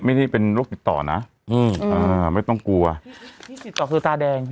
ไม่ได้เป็นโรคติดต่อนะอืมอ่าไม่ต้องกลัวที่ติดต่อคือตาแดง